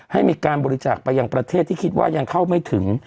ให้มีการบริจาคไปยังประเทศที่คิดว่ายังเข้าไม่ถึง